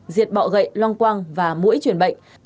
diệt bọ gậy lông quang và mũi truyền bệnh